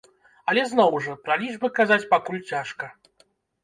Але, зноў жа, пра лічбы казаць пакуль цяжка.